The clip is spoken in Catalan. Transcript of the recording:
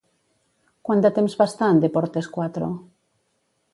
Quant de temps va estar en Deportes Cuatro?